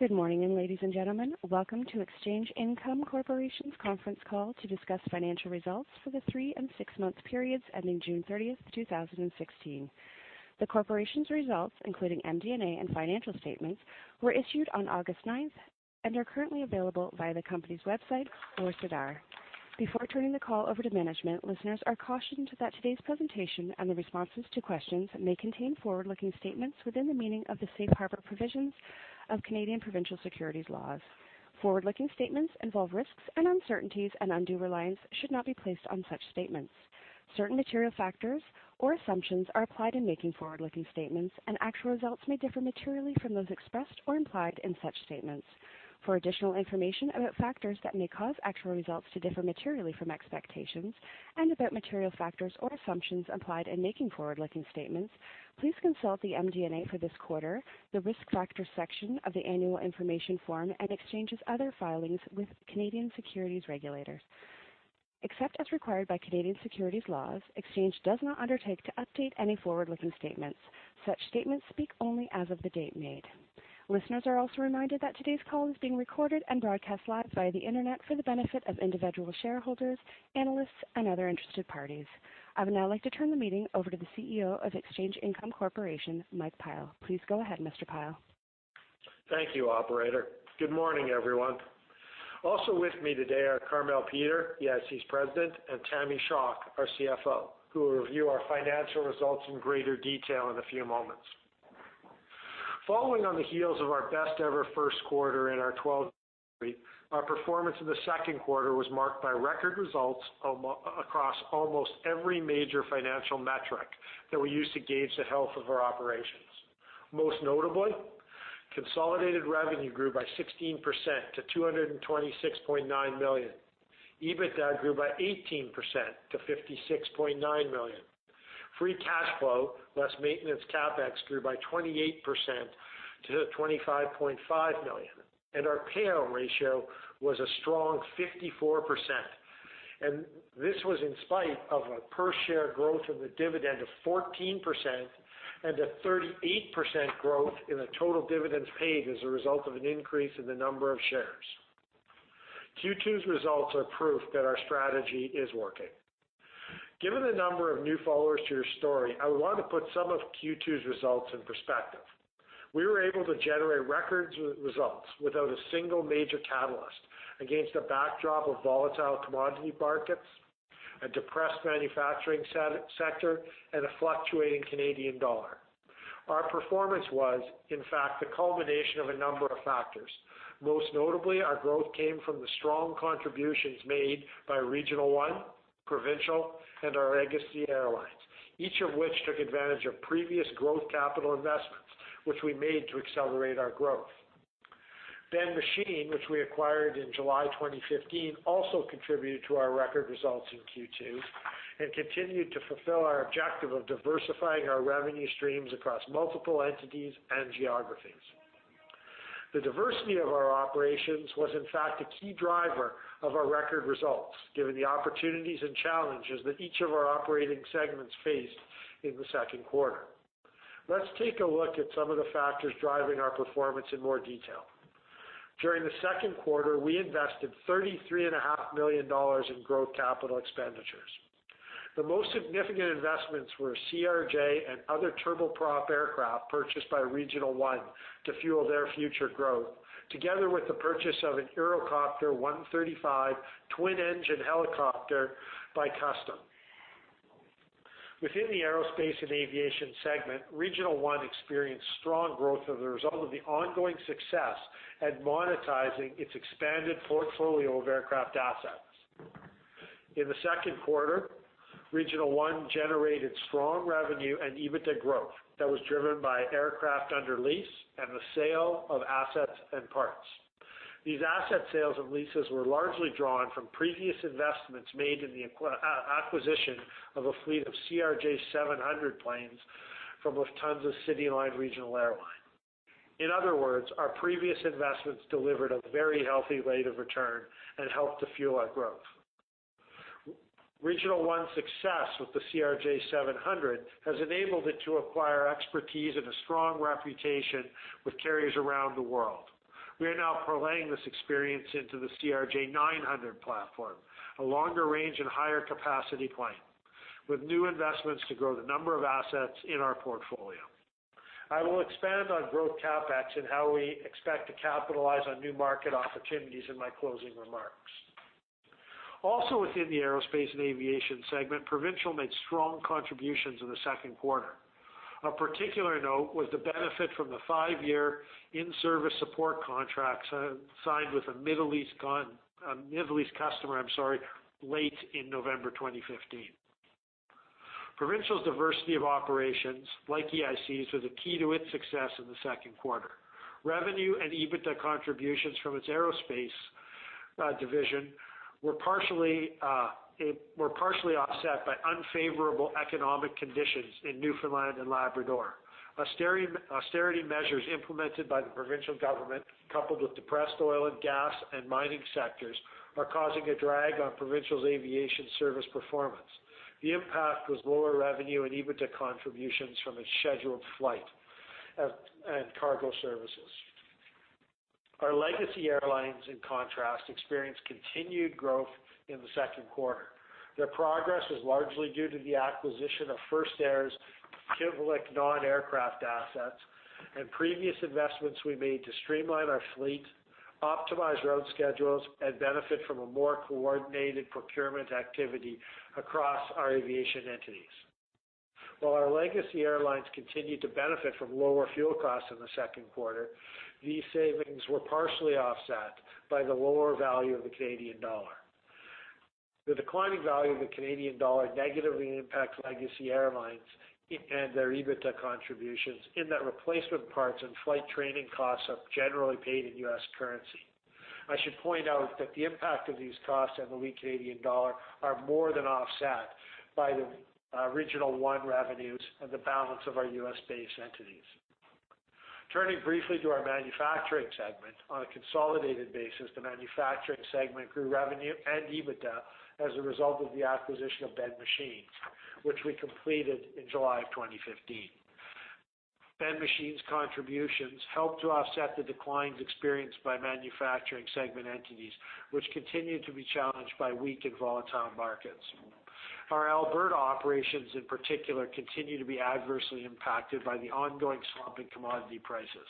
Good morning, ladies and gentlemen. Welcome to Exchange Income Corporation's conference call to discuss financial results for the three and six-month periods ending June 30th, 2016. The Corporation's results, including MD&A and financial statements, were issued on August 9th and are currently available via the company's website or SEDAR. Before turning the call over to management, listeners are cautioned that today's presentation and the responses to questions may contain forward-looking statements within the meaning of the safe harbor provisions of Canadian provincial securities laws. Forward-looking statements involve risks and uncertainties, and undue reliance should not be placed on such statements. Certain material factors or assumptions are applied in making forward-looking statements, and actual results may differ materially from those expressed or implied in such statements. For additional information about factors that may cause actual results to differ materially from expectations and about material factors or assumptions applied in making forward-looking statements, please consult the MD&A for this quarter, the Risk Factors section of the annual information form, and Exchange's other filings with Canadian securities regulators. Except as required by Canadian securities laws, Exchange does not undertake to update any forward-looking statements. Such statements speak only as of the date made. Listeners are also reminded that today's call is being recorded and broadcast live via the internet for the benefit of individual shareholders, analysts, and other interested parties. I would now like to turn the meeting over to the CEO of Exchange Income Corporation, Mike Pyle. Please go ahead, Mr. Pyle. Thank you, operator. Good morning, everyone. Also with me today are Carmele Peter, EIC's President, and Tammy Schock, our CFO, who will review our financial results in greater detail in a few moments. Following on the heels of our best ever first quarter in our 12, our performance in the second quarter was marked by record results across almost every major financial metric that we use to gauge the health of our operations. Most notably, consolidated revenue grew by 16% to 226.9 million. EBITDA grew by 18% to 56.9 million. Free cash flow, less maintenance CapEx, grew by 28% to 25.5 million, and our payout ratio was a strong 54%. This was in spite of a per-share growth of the dividend of 14% and a 38% growth in the total dividends paid as a result of an increase in the number of shares. Q2's results are proof that our strategy is working. Given the number of new followers to your story, I want to put some of Q2's results in perspective. We were able to generate record results without a single major catalyst against a backdrop of volatile commodity markets, a depressed manufacturing sector, and a fluctuating Canadian dollar. Our performance was, in fact, the culmination of a number of factors. Most notably, our growth came from the strong contributions made by Regional One, Provincial, and our Legacy Airlines, each of which took advantage of previous growth capital investments which we made to accelerate our growth. Ben Machine, which we acquired in July 2015, also contributed to our record results in Q2 and continued to fulfill our objective of diversifying our revenue streams across multiple entities and geographies. The diversity of our operations was in fact a key driver of our record results, given the opportunities and challenges that each of our operating segments faced in the second quarter. Let's take a look at some of the factors driving our performance in more detail. During the second quarter, we invested 33.5 million dollars in growth capital expenditures. The most significant investments were CRJ and other turboprop aircraft purchased by Regional One to fuel their future growth, together with the purchase of a Eurocopter EC135 twin engine helicopter by Custom. Within the aerospace and aviation segment, Regional One experienced strong growth as a result of the ongoing success at monetizing its expanded portfolio of aircraft assets. In the second quarter, Regional One generated strong revenue and EBITDA growth that was driven by aircraft under lease and the sale of assets and parts. These asset sales and leases were largely drawn from previous investments made in the acquisition of a fleet of CRJ700 planes from Lufthansa CityLine regional airline. In other words, our previous investments delivered a very healthy rate of return and helped to fuel our growth. Regional One's success with the CRJ700 has enabled it to acquire expertise and a strong reputation with carriers around the world. We are now prolonging this experience into the CRJ900 platform, a longer range and higher capacity plane with new investments to grow the number of assets in our portfolio. I will expand on growth CapEx and how we expect to capitalize on new market opportunities in my closing remarks. Also within the aerospace and aviation segment, Provincial made strong contributions in the second quarter. Of particular note was the benefit from the five-year in-service support contracts signed with a Middle East customer late in November 2015. Provincial's diversity of operations, like EIC's, was a key to its success in the second quarter. Revenue and EBITDA contributions from its aerospace division were partially offset by unfavorable economic conditions in Newfoundland and Labrador. Austerity measures implemented by the provincial government, coupled with depressed oil and gas and mining sectors, are causing a drag on Provincial's aviation service performance. The impact was lower revenue and EBITDA contributions from its scheduled flight and cargo services. Our legacy airlines, in contrast, experienced continued growth in the second quarter. Their progress was largely due to the acquisition of First Air's Kivalliq non-aircraft assets and previous investments we made to streamline our fleet, optimize route schedules, and benefit from a more coordinated procurement activity across our aviation entities. While our legacy airlines continued to benefit from lower fuel costs in the second quarter, these savings were partially offset by the lower value of the Canadian dollar. The declining value of the Canadian dollar negatively impacts legacy airlines and their EBITDA contributions in that replacement parts and flight training costs are generally paid in US currency. I should point out that the impact of these costs and the weak Canadian dollar are more than offset by the Regional One revenues and the balance of our U.S.-based entities. Turning briefly to our manufacturing segment. On a consolidated basis, the manufacturing segment grew revenue and EBITDA as a result of the acquisition of Ben Machine, which we completed in July of 2015. Ben Machine's contributions helped to offset the declines experienced by manufacturing segment entities, which continued to be challenged by weak and volatile markets. Our Alberta operations, in particular, continue to be adversely impacted by the ongoing slump in commodity prices.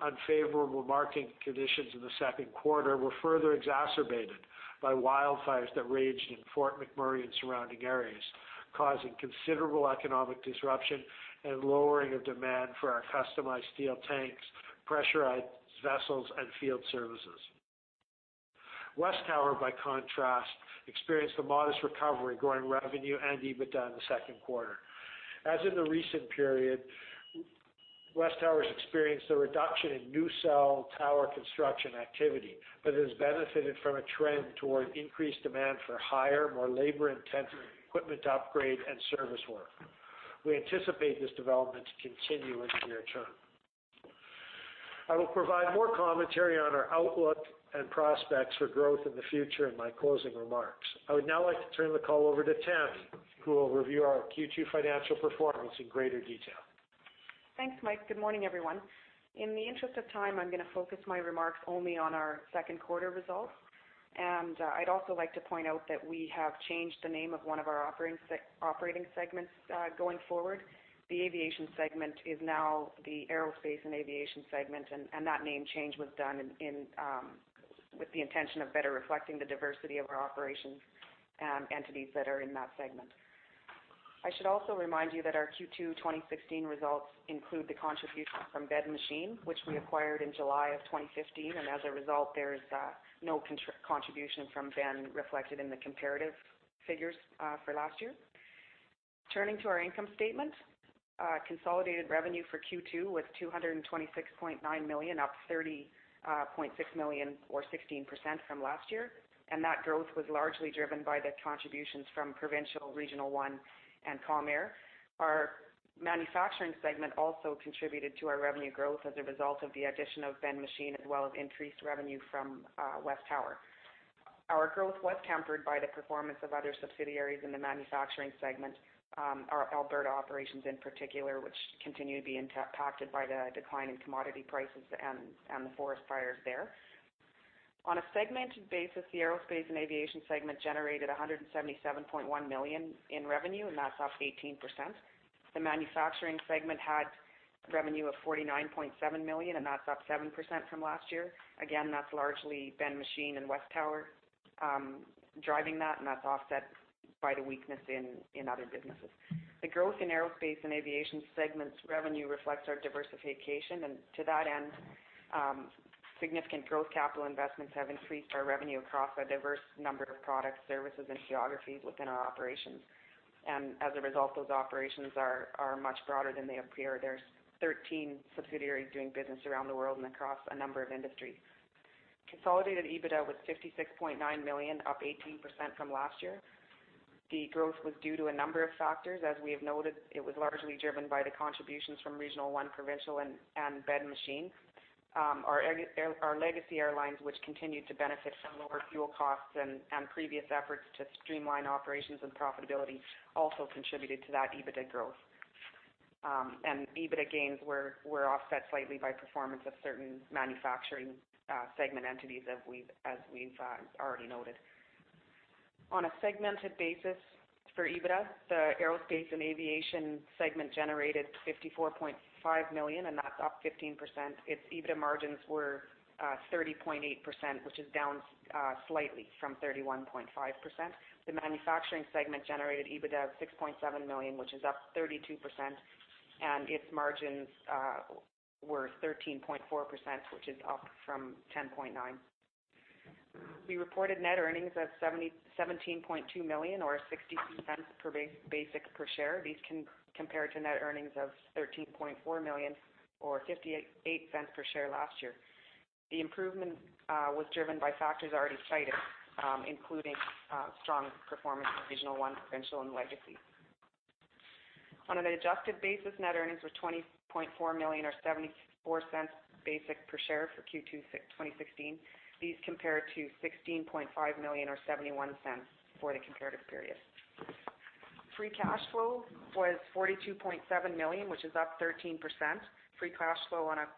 Unfavorable market conditions in the second quarter were further exacerbated by wildfires that raged in Fort McMurray and surrounding areas, causing considerable economic disruption and lowering of demand for our customized steel tanks, pressurized vessels, and field services. WesTower Communications, by contrast, experienced a modest recovery, growing revenue and EBITDA in the second quarter. As in the recent period, WesTower Communications has experienced a reduction in new cell tower construction activity but has benefited from a trend toward increased demand for higher, more labor-intensive equipment upgrade and service work. We anticipate this development to continue in the near term. I will provide more commentary on our outlook and prospects for growth in the future in my closing remarks. I would now like to turn the call over to Tammy, who will review our Q2 financial performance in greater detail. Thanks, Mike. Good morning, everyone. In the interest of time, I'm going to focus my remarks only on our second quarter results. I'd also like to point out that we have changed the name of one of our operating segments going forward. The aviation segment is now the aerospace and aviation segment, that name change was done with the intention of better reflecting the diversity of our operations and entities that are in that segment. I should also remind you that our Q2 2016 results include the contribution from Ben Machine, which we acquired in July of 2015. As a result, there is no contribution from Ben reflected in the comparative figures for last year. Turning to our income statement. Consolidated revenue for Q2 was 226.9 million, up 30.6 million or 16% from last year. That growth was largely driven by the contributions from Provincial, Regional One and Calm Air. Our manufacturing segment also contributed to our revenue growth as a result of the addition of Ben Machine as well as increased revenue from WesTower. Our growth was tempered by the performance of other subsidiaries in the manufacturing segment. Our Alberta operations in particular, which continue to be impacted by the decline in commodity prices and the forest fires there. On a segmented basis, the aerospace and aviation segment generated 177.1 million in revenue, that's up 18%. The manufacturing segment had revenue of 49.7 million, that's up 7% from last year. That's largely Ben Machine and WesTower driving that, offset by the weakness in other businesses. The growth in aerospace and aviation segments revenue reflects our diversification. To that end, significant growth capital investments have increased our revenue across a diverse number of products, services, and geographies within our operations. As a result, those operations are much broader than they appear. There's 13 subsidiaries doing business around the world and across a number of industries. Consolidated EBITDA was 56.9 million, up 18% from last year. The growth was due to a number of factors. As we have noted, it was largely driven by the contributions from Regional One, Provincial, and Ben Machine. Our legacy airlines, which continued to benefit from lower fuel costs and previous efforts to streamline operations and profitability, also contributed to that EBITDA growth. EBITDA gains were offset slightly by performance of certain manufacturing segment entities as we've already noted. On a segmented basis for EBITDA, the aerospace and aviation segment generated 54.5 million, and that's up 15%. Its EBITDA margins were 30.8%, which is down slightly from 31.5%. The manufacturing segment generated EBITDA of 6.7 million, which is up 32%, and its margins were 13.4%, which is up from 10.9%. We reported net earnings of 17.2 million or 0.62 basic per share. These compare to net earnings of 13.4 million or 0.58 per share last year. The improvement was driven by factors already cited including strong performance of Regional One, Provincial, and Legacy. On an adjusted basis, net earnings were 20.4 million or 0.74 basic per share for Q2 2016. These compare to 16.5 million or 0.71 for the comparative period. Free cash flow was 42.7 million, which is up 13%. Free cash flow on a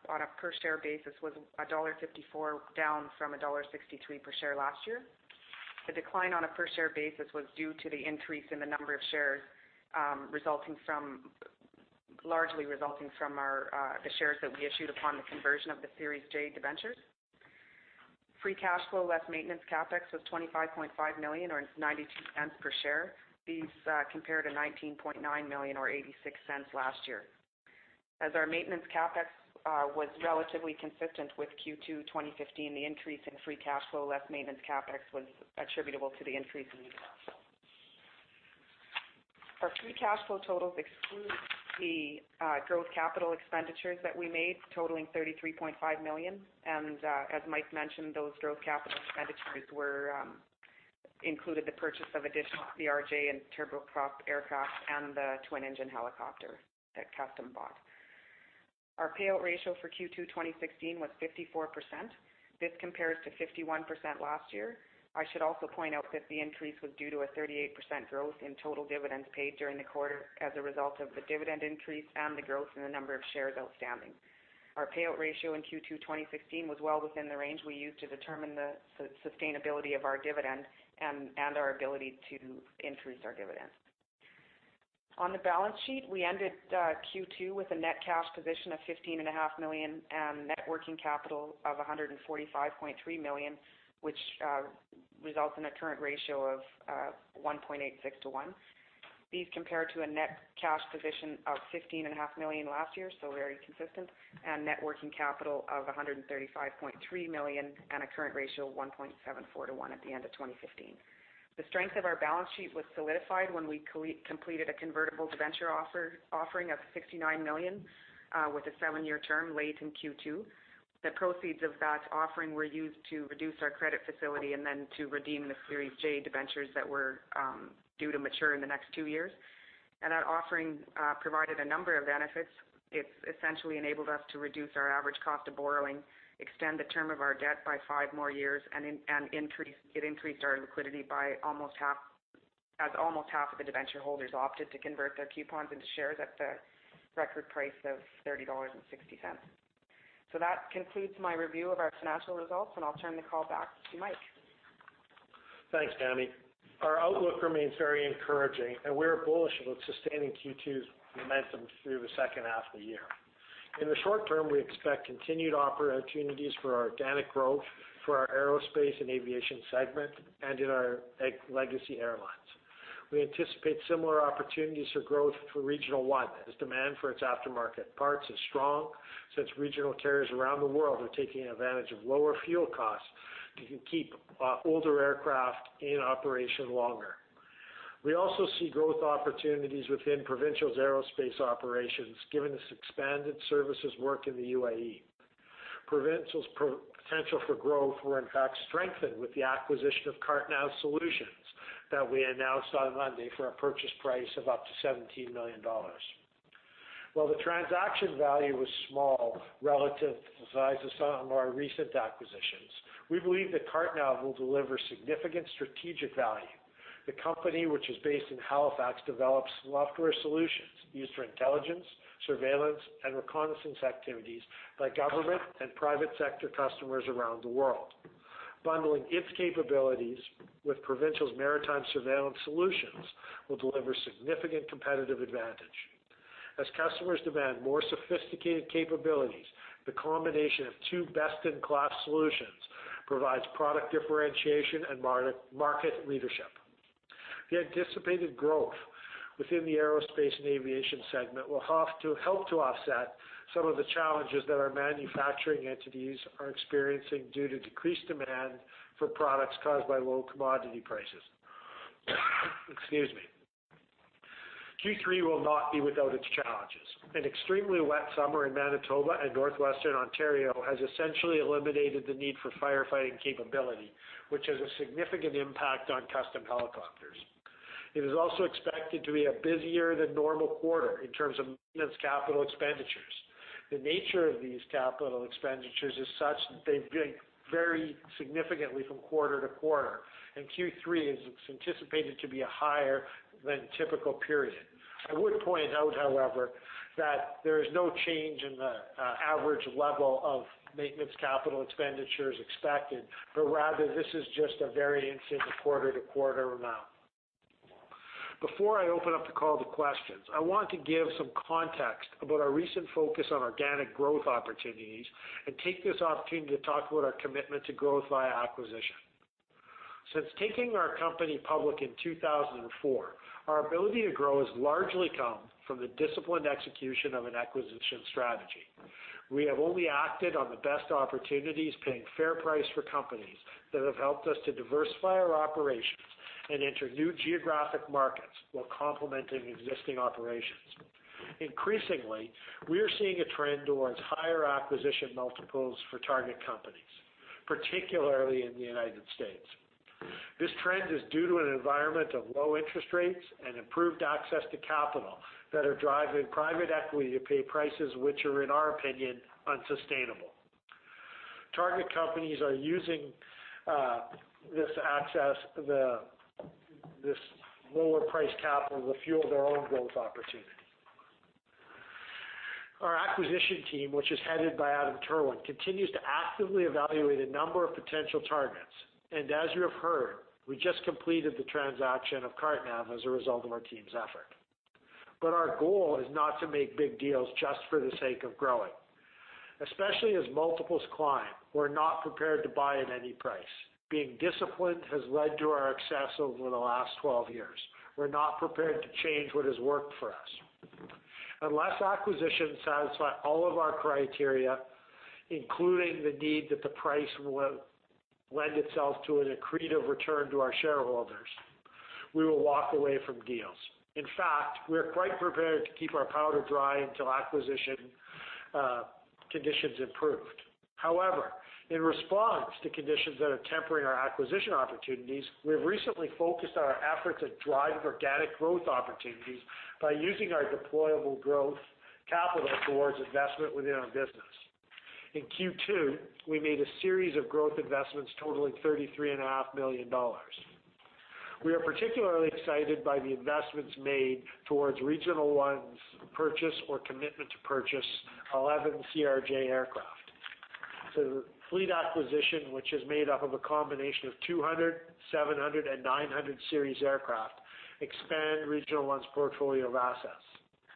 per share basis was dollar 1.54, down from dollar 1.63 per share last year. The decline on a per share basis was due to the increase in the number of shares, largely resulting from the shares that we issued upon the conversion of the Series J debentures. Free cash flow less maintenance CapEx was 25.5 million, or 0.92 per share. These compare to 19.9 million or 0.86 last year. As our maintenance CapEx was relatively consistent with Q2 2015, the increase in free cash flow less maintenance CapEx was attributable to the increase in free cash flow. Our free cash flow totals exclude the growth capital expenditures that we made totaling 33.5 million and, as Mike mentioned, those growth capital expenditures included the purchase of additional CRJ and turboprop aircraft and the twin engine helicopter that Custom bought. Our payout ratio for Q2 2016 was 54%. This compares to 51% last year. I should also point out that the increase was due to a 38% growth in total dividends paid during the quarter as a result of the dividend increase and the growth in the number of shares outstanding. Our payout ratio in Q2 2016 was well within the range we used to determine the sustainability of our dividend and our ability to increase our dividends. On the balance sheet, we ended Q2 with a net cash position of 15.5 million and net working capital of 145.3 million, which results in a current ratio of 1.86:1. These compare to a net cash position of 15.5 million last year, so very consistent, and net working capital of 135.3 million and a current ratio 1.74:1 at the end of 2015. The strength of our balance sheet was solidified when we completed a convertible debenture offering of 69 million with a seven-year term late in Q2. The proceeds of that offering were used to reduce our credit facility and then to redeem the Series J debentures that were due to mature in the next two years. That offering provided a number of benefits. It essentially enabled us to reduce our average cost of borrowing, extend the term of our debt by five more years, and it increased our liquidity as almost half of the debenture holders opted to convert their coupons into shares at the record price of 30.60 dollars. That concludes my review of our financial results, and I'll turn the call back to Mike. Thanks, Tammy. Our outlook remains very encouraging, and we're bullish about sustaining Q2's momentum through the second half of the year. In the short term, we expect continued opportunities for organic growth for our aerospace and aviation segment and in our legacy airlines. We anticipate similar opportunities for growth for Regional One as demand for its aftermarket parts is strong, since regional carriers around the world are taking advantage of lower fuel costs to keep older aircraft in operation longer. We also see growth opportunities within Provincial's aerospace operations, given its expanded services work in the UAE. Provincial's potential for growth were in fact strengthened with the acquisition of CarteNav Solutions that we announced on Monday for a purchase price of up to 17 million dollars. While the transaction value was small relative to the size of some of our recent acquisitions, we believe that CarteNav will deliver significant strategic value. The company, which is based in Halifax, develops software solutions used for intelligence, surveillance, and reconnaissance activities by government and private sector customers around the world. Bundling its capabilities with Provincial's maritime surveillance solutions will deliver significant competitive advantage. As customers demand more sophisticated capabilities, the combination of two best-in-class solutions provides product differentiation and market leadership. The anticipated growth within the aerospace and aviation segment will help to offset some of the challenges that our manufacturing entities are experiencing due to decreased demand for products caused by low commodity prices. Excuse me. Q3 will not be without its challenges. An extremely wet summer in Manitoba and Northwestern Ontario has essentially eliminated the need for firefighting capability, which has a significant impact on Custom Helicopters. It is also expected to be a busier than normal quarter in terms of maintenance capital expenditures. The nature of these capital expenditures is such that they vary significantly from quarter to quarter, and Q3 is anticipated to be higher than a typical period. I would point out, however, that there is no change in the average level of maintenance capital expenditures expected, but rather this is just a variance in the quarter-to-quarter amount. Before I open up the call to questions, I want to give some context about our recent focus on organic growth opportunities and take this opportunity to talk about our commitment to growth via acquisition. Since taking our company public in 2004, our ability to grow has largely come from the disciplined execution of an acquisition strategy. We have only acted on the best opportunities, paying fair price for companies that have helped us to diversify our operations and enter new geographic markets while complementing existing operations. Increasingly, we are seeing a trend towards higher acquisition multiples for target companies, particularly in the U.S. This trend is due to an environment of low interest rates and improved access to capital that are driving private equity to pay prices which are, in our opinion, unsustainable. Target companies are using this access, this lower priced capital to fuel their own growth opportunity. Our acquisition team, which is headed by Adam Terwin, continues to actively evaluate a number of potential targets, and as you have heard, we just completed the transaction of CarteNav as a result of our team's effort. Our goal is not to make big deals just for the sake of growing. Especially as multiples climb, we're not prepared to buy at any price. Being disciplined has led to our success over the last 12 years. We're not prepared to change what has worked for us. Unless acquisitions satisfy all of our criteria, including the need that the price will lend itself to an accretive return to our shareholders, we will walk away from deals. In fact, we're quite prepared to keep our powder dry until acquisition conditions improved. However, in response to conditions that are tempering our acquisition opportunities, we've recently focused our efforts on driving organic growth opportunities by using our deployable growth capital towards investment within our business. In Q2, we made a series of growth investments totaling 33.5 million dollars. We are particularly excited by the investments made towards Regional One's purchase or commitment to purchase 11 CRJ aircraft. It's a fleet acquisition which is made up of a combination of 200, 700, and 900 series aircraft, expand Regional One's portfolio of assets.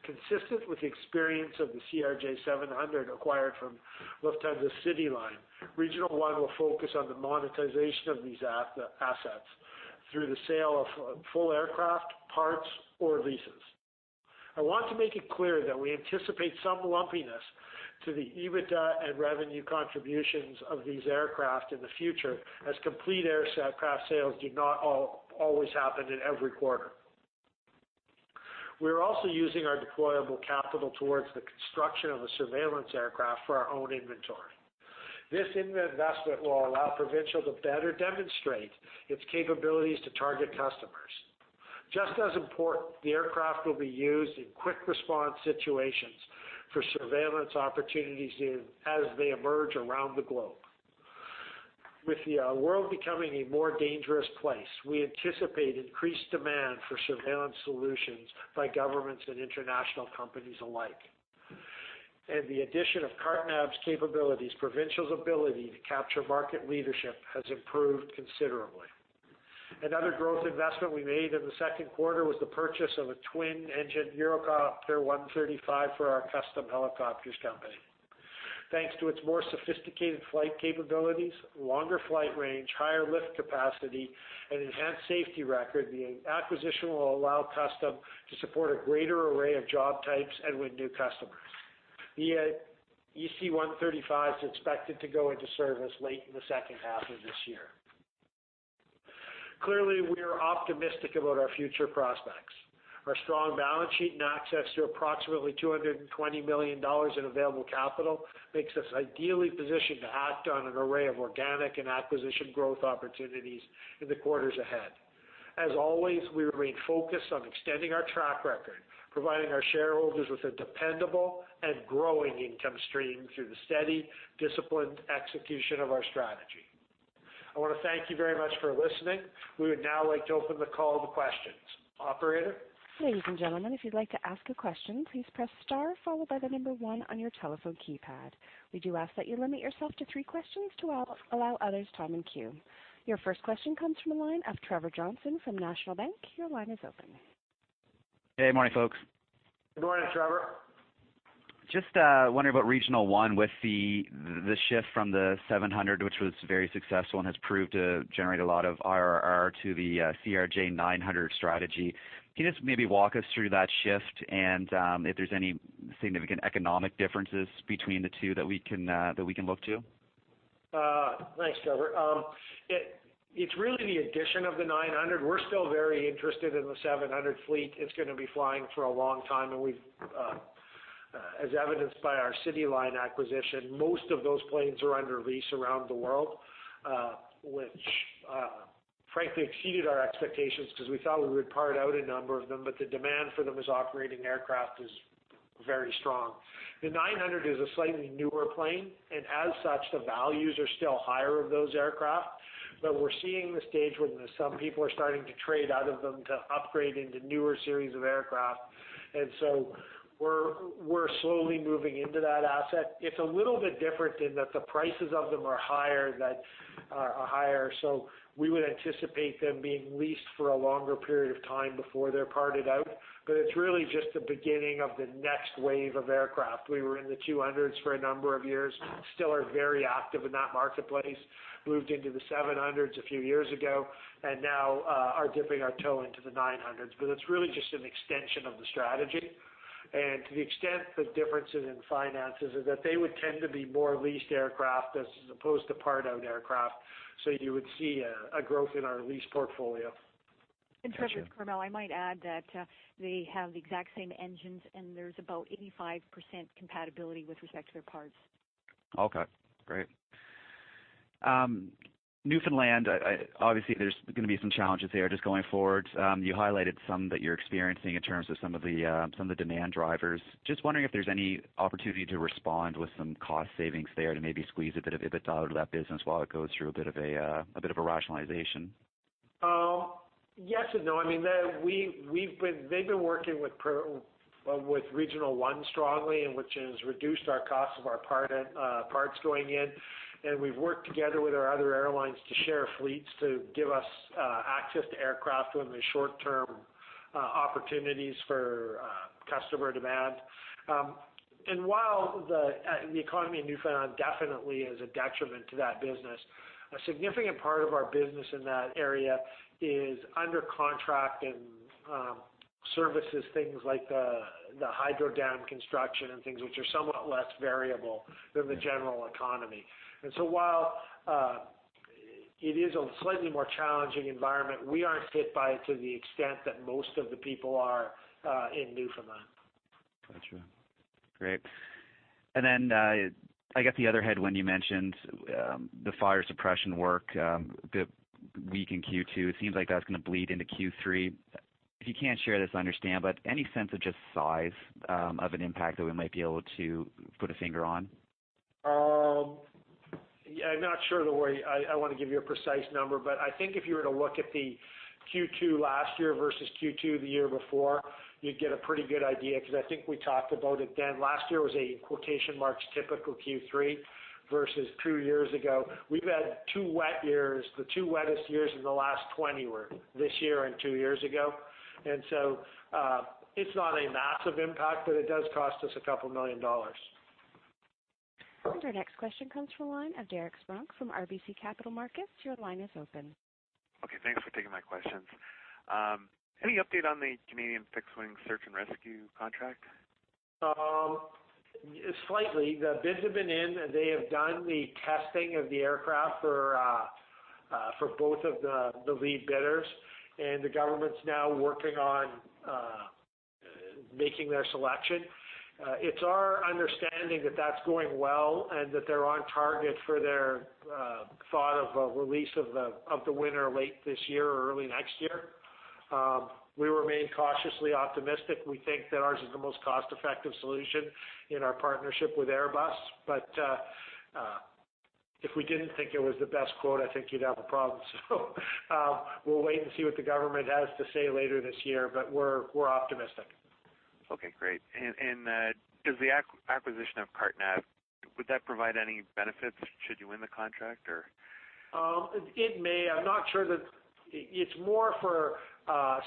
Consistent with the experience of the CRJ-700 acquired from Lufthansa CityLine, Regional One will focus on the monetization of these assets through the sale of full aircraft, parts, or leases. I want to make it clear that we anticipate some lumpiness to the EBITDA and revenue contributions of these aircraft in the future, as complete aircraft sales do not always happen in every quarter. We're also using our deployable capital towards the construction of a surveillance aircraft for our own inventory. This investment will allow Provincial to better demonstrate its capabilities to target customers. Just as important, the aircraft will be used in quick response situations for surveillance opportunities as they emerge around the globe. With the world becoming a more dangerous place, we anticipate increased demand for surveillance solutions by governments and international companies alike. The addition of CarteNav's capabilities, Provincial's ability to capture market leadership has improved considerably. Another growth investment we made in the second quarter was the purchase of a twin-engine Eurocopter EC135 for our Custom Helicopters company. Thanks to its more sophisticated flight capabilities, longer flight range, higher lift capacity, and enhanced safety record, the acquisition will allow Custom to support a greater array of job types and with new customers. The EC135 is expected to go into service late in the second half of this year. Clearly, we are optimistic about our future prospects. Our strong balance sheet and access to approximately 220 million dollars in available capital makes us ideally positioned to act on an array of organic and acquisition growth opportunities in the quarters ahead. As always, we remain focused on extending our track record, providing our shareholders with a dependable and growing income stream through the steady, disciplined execution of our strategy. I want to thank you very much for listening. We would now like to open the call to questions. Operator? Ladies and gentlemen, if you'd like to ask a question, please press star followed by the number one on your telephone keypad. We do ask that you limit yourself to three questions to allow others time in queue. Your first question comes from the line of Trevor Johnson from National Bank. Your line is open. Hey, good morning, folks. Good morning, Trevor. Just wondering about Regional One with the shift from the 700, which was very successful and has proved to generate a lot of IRR to the CRJ-900 strategy. Can you just maybe walk us through that shift and if there's any significant economic differences between the two that we can look to? Thanks, Trevor. It's really the addition of the 900. We're still very interested in the 700 fleet. It's going to be flying for a long time, as evidenced by our CityLine acquisition. Most of those planes are under lease around the world, which frankly exceeded our expectations because we thought we would part out a number of them, the demand for them as operating aircraft is very strong. The 900 is a slightly newer plane, as such, the values are still higher of those aircraft. We're seeing the stage where some people are starting to trade out of them to upgrade into newer series of aircraft, we're slowly moving into that asset. It's a little bit different in that the prices of them are higher, we would anticipate them being leased for a longer period of time before they're parted out. It's really just the beginning of the next wave of aircraft. We were in the 200s for a number of years, still are very active in that marketplace, moved into the 700s a few years ago, now are dipping our toe into the 900s. It's really just an extension of the strategy. To the extent the differences in finances is that they would tend to be more leased aircraft as opposed to part-out aircraft, you would see a growth in our lease portfolio. Got you. Trevor, Carmele. I might add that they have the exact same engines, and there's about 85% compatibility with respect to their parts. Okay, great Newfoundland, obviously there's going to be some challenges there just going forward. You highlighted some that you're experiencing in terms of some of the demand drivers. Just wondering if there's any opportunity to respond with some cost savings there to maybe squeeze a bit of EBITDA out of that business while it goes through a bit of a rationalization? Yes and no. They've been working with Regional One strongly, which has reduced our cost of our parts going in, and we've worked together with our other airlines to share fleets to give us access to aircraft when there's short-term opportunities for customer demand. While the economy in Newfoundland definitely is a detriment to that business, a significant part of our business in that area is under contract and services, things like the hydro dam construction and things which are somewhat less variable than the general economy. While it is a slightly more challenging environment, we aren't hit by it to the extent that most of the people are in Newfoundland. Got you. Great. I got the other headwind you mentioned, the fire suppression work, weak in Q2. It seems like that's going to bleed into Q3. If you can't share this, I understand, but any sense of just size of an impact that we might be able to put a finger on? I'm not sure that I want to give you a precise number, but I think if you were to look at the Q2 last year versus Q2 the year before, you'd get a pretty good idea, because I think we talked about it then. Last year was a, in quotation marks, typical Q3 versus two years ago. We've had two wet years. The two wettest years in the last 20 were this year and two years ago. It's not a massive impact, but it does cost us a couple million CAD. Our next question comes from the line of Derek Spronck from RBC Capital Markets. Your line is open. Okay, thanks for taking my questions. Any update on the Canadian fixed-wing search and rescue contract? Slightly. The bids have been in, and they have done the testing of the aircraft for both of the lead bidders, and the government's now working on making their selection. It's our understanding that that's going well and that they're on target for their thought of a release of the winner late this year or early next year. We remain cautiously optimistic. We think that ours is the most cost-effective solution in our partnership with Airbus. If we didn't think it was the best quote, I think you'd have a problem. We'll wait and see what the government has to say later this year. We're optimistic. Okay, great. Does the acquisition of CarteNav, would that provide any benefits should you win the contract? It may. It's more for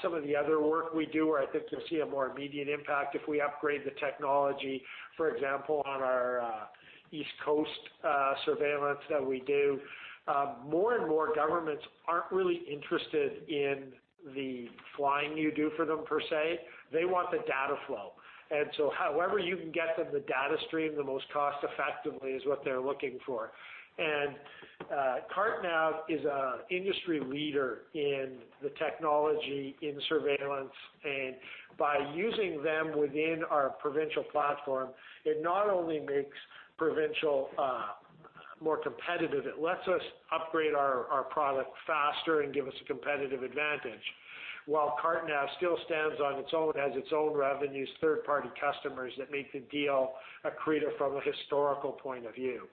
some of the other work we do where I think you'll see a more immediate impact if we upgrade the technology, for example, on our East Coast surveillance that we do. More and more governments aren't really interested in the flying you do for them, per se. They want the data flow. However you can get them the data stream the most cost effectively is what they're looking for. CarteNav is an industry leader in the technology in surveillance. By using them within our Provincial platform, it not only makes Provincial more competitive, it lets us upgrade our product faster and give us a competitive advantage. While CarteNav still stands on its own, it has its own revenues, third-party customers that make the deal accretive from a historical point of view.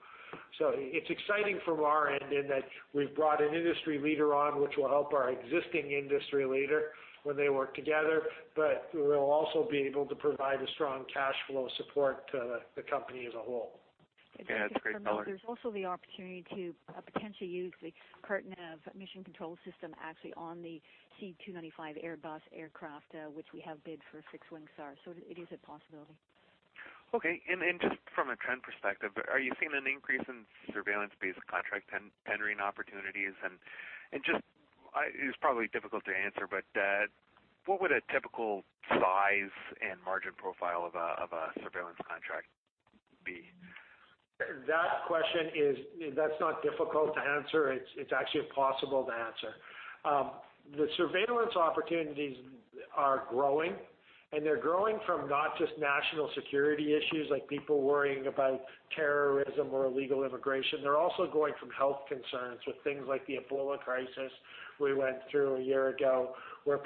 It's exciting from our end in that we've brought an industry leader on, which will help our existing industry leader when they work together, but we'll also be able to provide a strong cash flow support to the company as a whole. Yeah, that's great color. There's also the opportunity to potentially use the CarteNav mission control system actually on the C295 Airbus aircraft, which we have bid for fixed wing SAR. It is a possibility. Okay. Just from a trend perspective, are you seeing an increase in surveillance-based contract tendering opportunities? It's probably difficult to answer, but what would a typical size and margin profile of a surveillance contract be? That's not difficult to answer. It's actually impossible to answer. The surveillance opportunities are growing, and they're growing from not just national security issues, like people worrying about terrorism or illegal immigration. They're also growing from health concerns with things like the Ebola crisis we went through a year ago, where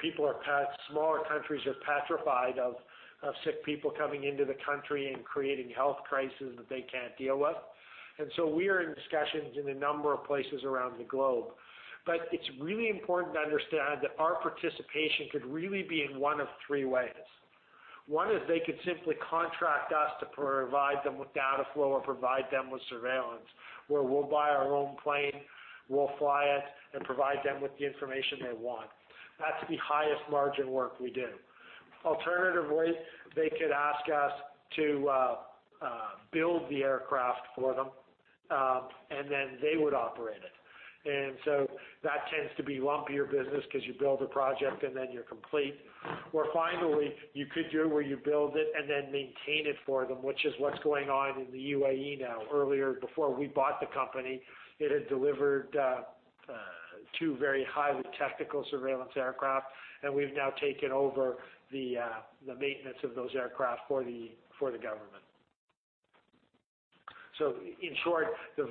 smaller countries are petrified of sick people coming into the country and creating health crises that they can't deal with. We are in discussions in a number of places around the globe. It's really important to understand that our participation could really be in one of three ways. One is they could simply contract us to provide them with data flow or provide them with surveillance, where we'll buy our own plane, we'll fly it and provide them with the information they want. That's the highest margin work we do. Alternatively, they could ask us to build the aircraft for them, and then they would operate it. That tends to be lumpier business because you build a project and then you're complete. Finally, you could do it where you build it and then maintain it for them, which is what's going on in the UAE now. Earlier, before we bought the company, it had delivered two very highly technical surveillance aircraft, and we've now taken over the maintenance of those aircraft for the government. In short, the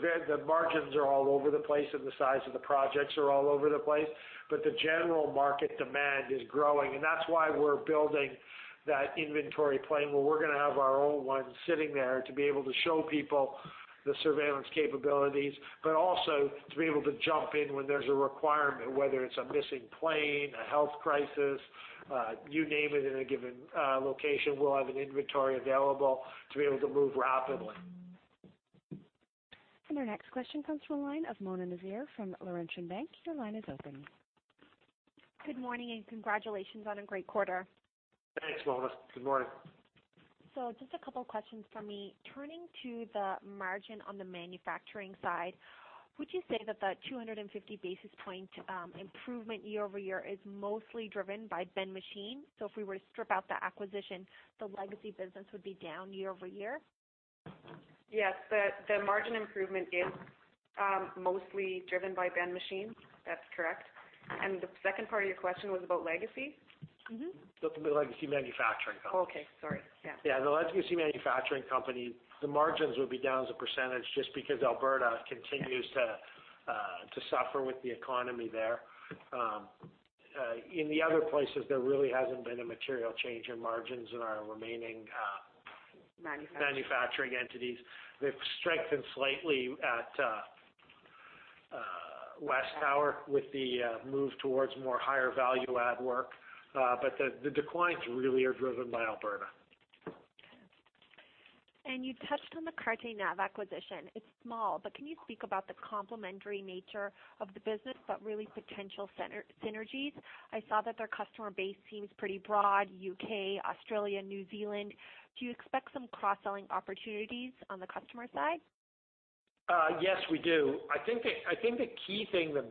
margins are all over the place, and the size of the projects are all over the place, but the general market demand is growing. That's why we're building that inventory plane, where we're going to have our own one sitting there to be able to show people the surveillance capabilities, but also to be able to jump in when there's a requirement, whether it's a missing plane, a health crisis, you name it, in a given location, we'll have an inventory available to be able to move rapidly. Our next question comes from the line of Mona Nazir from Laurentian Bank. Your line is open. Good morning, and congratulations on a great quarter. Thanks, Mona. Good morning. Just a couple of questions from me. Turning to the margin on the manufacturing side, would you say that the 250 basis point improvement year-over-year is mostly driven by Ben Machine? If we were to strip out the acquisition, the legacy business would be down year-over-year? Yes, the margin improvement is mostly driven by Ben Machine. That's correct. The second part of your question was about legacy? The legacy manufacturing company. Oh, okay. Sorry. Yeah. Yeah, the legacy manufacturing company, the margins would be down as a percentage just because Alberta continues to suffer with the economy there. In the other places, there really hasn't been a material change in margins in our remaining- Manufacturing manufacturing entities. They've strengthened slightly at WesTower Communications with the move towards more higher value add work. The declines really are driven by Alberta. You touched on the CarteNav acquisition. It's small, but can you speak about the complementary nature of the business, but really potential synergies. I saw that their customer base seems pretty broad, U.K., Australia, New Zealand. Do you expect some cross-selling opportunities on the customer side? Yes, we do. I think the key thing, the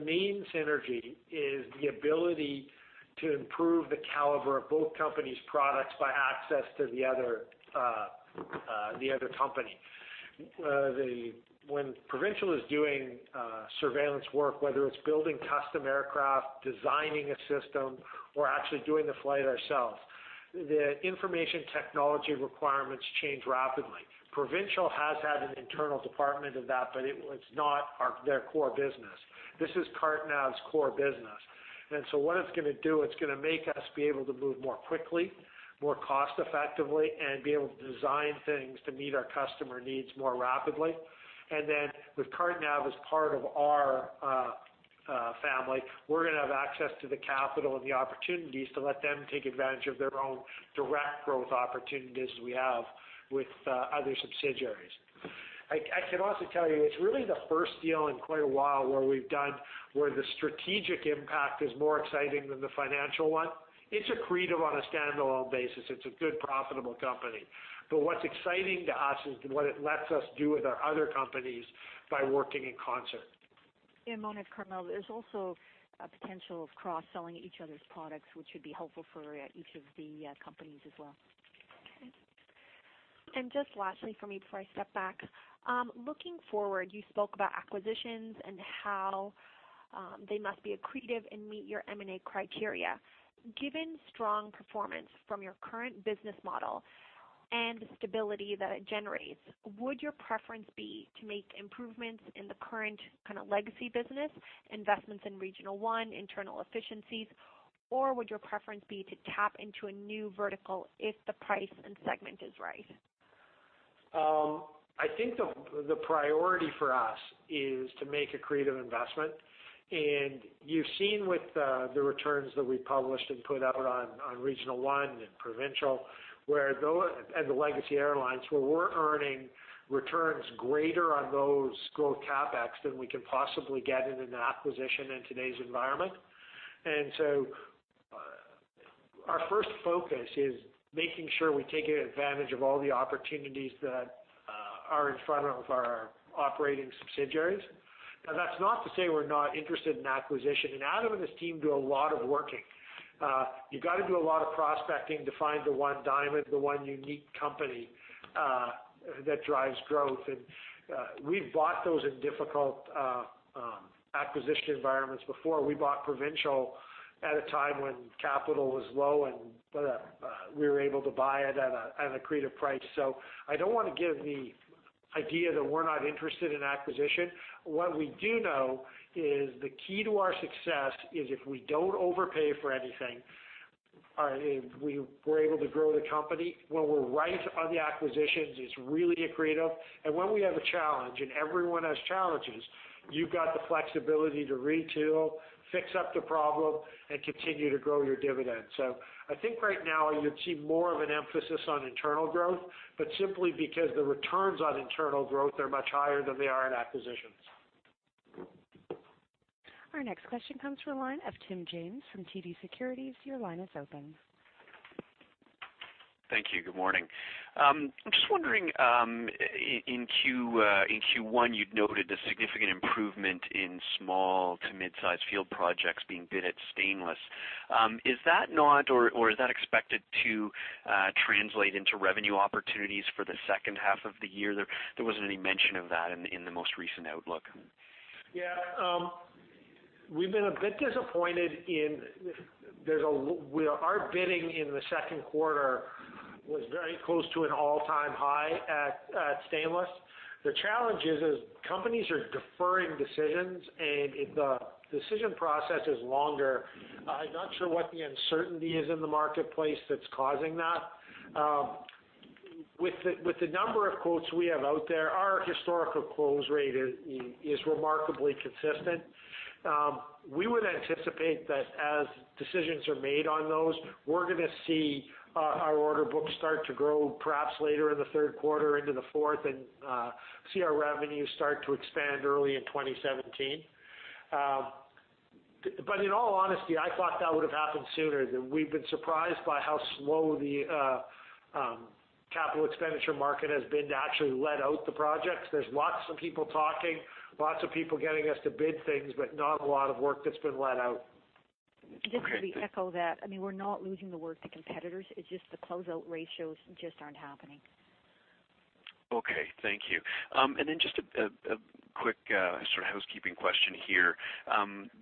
main synergy, is the ability to improve the caliber of both companies' products by access to the other company. When Provincial is doing surveillance work, whether it's building custom aircraft, designing a system, or actually doing the flight ourselves, the information technology requirements change rapidly. Provincial has had an internal department of that, but it's not their core business. This is CarteNav's core business, and so what it's going to do, it's going to make us be able to move more quickly, more cost effectively, and be able to design things to meet our customer needs more rapidly. Then with CarteNav as part of our family, we're going to have access to the capital and the opportunities to let them take advantage of their own direct growth opportunities as we have with other subsidiaries. I can also tell you, it's really the first deal in quite a while where the strategic impact is more exciting than the financial one. It's accretive on a standalone basis. It's a good profitable company. What's exciting to us is what it lets us do with our other companies by working in concert. Mona, Carmele, there's also a potential of cross-selling each other's products, which would be helpful for each of the companies as well. Okay. Just lastly from me before I step back. Looking forward, you spoke about acquisitions and how they must be accretive and meet your M&A criteria. Given strong performance from your current business model and the stability that it generates, would your preference be to make improvements in the current legacy business, investments in Regional One, internal efficiencies, or would your preference be to tap into a new vertical if the price and segment is right? I think the priority for us is to make accretive investment, you've seen with the returns that we published and put out on Regional One and Provincial and the Legacy Airlines, where we're earning returns greater on those growth CapEx than we can possibly get in an acquisition in today's environment. Our first focus is making sure we're taking advantage of all the opportunities that are in front of our operating subsidiaries. Now, that's not to say we're not interested in acquisition, Adam and his team do a lot of working. You got to do a lot of prospecting to find the one diamond, the one unique company that drives growth. We've bought those in difficult acquisition environments before. We bought Provincial at a time when capital was low, and we were able to buy it at an accretive price. I don't want to give the idea that we're not interested in acquisition. What we do know is the key to our success is if we don't overpay for anything, we're able to grow the company. When we're right on the acquisitions, it's really accretive. When we have a challenge, and everyone has challenges, you've got the flexibility to retool, fix up the problem and continue to grow your dividend. I think right now you'd see more of an emphasis on internal growth, but simply because the returns on internal growth are much higher than they are in acquisitions. Our next question comes from the line of Tim James from TD Securities. Your line is open. Thank you. Good morning. I'm just wondering, in Q1, you noted a significant improvement in small to mid-size field projects being bid at Stainless. Is that not, or is that expected to translate into revenue opportunities for the second half of the year? There wasn't any mention of that in the most recent outlook. We've been a bit disappointed in Our bidding in the second quarter was very close to an all-time high at Stainless. The challenge is companies are deferring decisions, and the decision process is longer. I'm not sure what the uncertainty is in the marketplace that's causing that. With the number of quotes we have out there, our historical close rate is remarkably consistent. We would anticipate that as decisions are made on those, we're going to see our order book start to grow perhaps later in the third quarter into the fourth and see our revenue start to expand early in 2017. In all honesty, I thought that would have happened sooner. We've been surprised by how slow the capital expenditure market has been to actually let out the projects. There's lots of people talking, lots of people getting us to bid things, but not a lot of work that's been let out. Okay. Just to echo that, we're not losing the work to competitors, it's just the closeout ratios just aren't happening. Okay, thank you. Just a quick sort of housekeeping question here.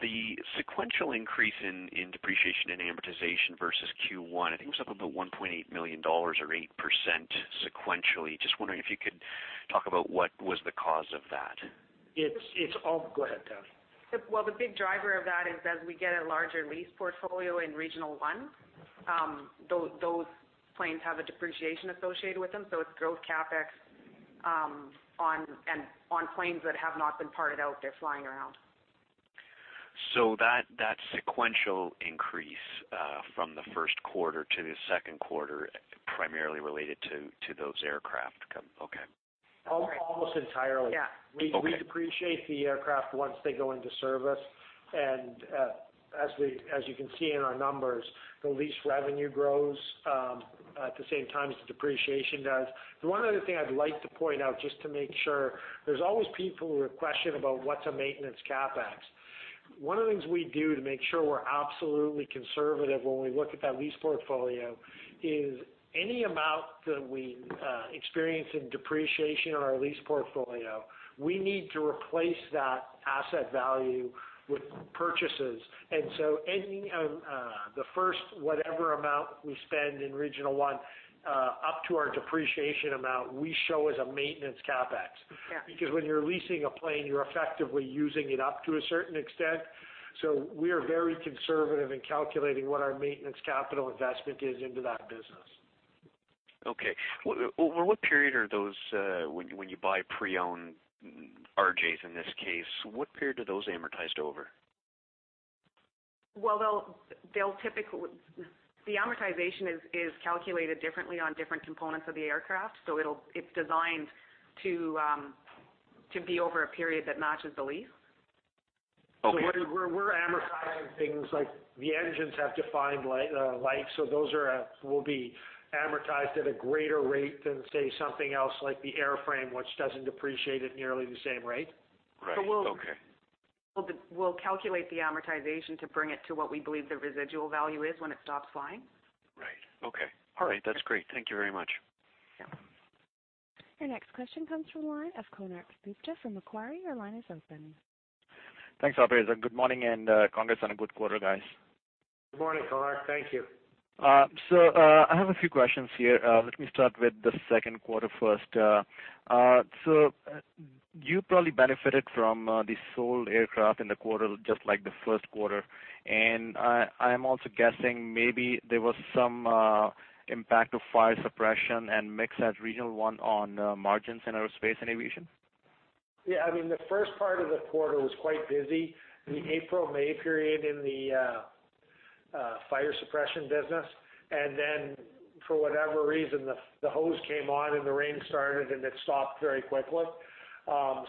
The sequential increase in depreciation and amortization versus Q1, I think it was up about 1.8 million dollars or 8% sequentially. Just wondering if you could talk about what was the cause of that. Go ahead, Tammy. Well, the big driver of that is as we get a larger lease portfolio in Regional One, those planes have a depreciation associated with them. It's growth CapEx on planes that have not been parted out. They're flying around. That sequential increase from the first quarter to the second quarter, primarily related to those aircraft? Okay. Correct. Almost entirely. Yeah. Okay. We depreciate the aircraft once they go into service. As you can see in our numbers, the lease revenue grows at the same time as the depreciation does. One other thing I'd like to point out, just to make sure, there's always people who have questioned about what's a maintenance CapEx. One of the things we do to make sure we're absolutely conservative when we look at that lease portfolio is any amount that we experience in depreciation on our lease portfolio, we need to replace that asset value with purchases. The first, whatever amount we spend in Regional One up to our depreciation amount, we show as a maintenance CapEx. Yeah. When you're leasing a plane, you're effectively using it up to a certain extent. We are very conservative in calculating what our maintenance capital investment is into that business. Okay. Over what period are those, when you buy pre-owned RJs in this case, what period are those amortized over? Well, the amortization is calculated differently on different components of the aircraft. It's designed to be over a period that matches the lease. Oh, okay. We're amortizing things like the engines have defined life, so those will be amortized at a greater rate than, say, something else like the airframe, which doesn't depreciate at nearly the same rate. Right. Okay. We'll calculate the amortization to bring it to what we believe the residual value is when it stops flying. Right. Okay. All right. That's great. Thank you very much. Yeah. Your next question comes from the line of Konark Gupta from Macquarie. Your line is open. Thanks, operators. Good morning. Congrats on a good quarter, guys. Good morning, Konark. Thank you. I have a few questions here. Let me start with the second quarter first. You probably benefited from the sold aircraft in the quarter, just like the first quarter. I'm also guessing maybe there was some impact of fire suppression and mix at Regional One on margins in aerospace and aviation? The first part of the quarter was quite busy. The April, May period in the fire suppression business. For whatever reason, the hose came on, and the rain started, and it stopped very quickly. Those